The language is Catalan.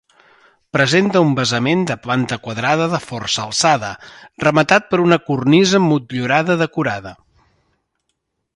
Presenta un basament de planta quadrada de força alçada, rematat per una cornisa motllurada decorada.